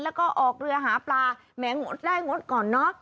แล้วก็ออกเรือหาปลาแหงดได้งดก่อนเนอะ